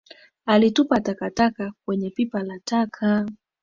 Alitupa takataka kwenye pipa la taka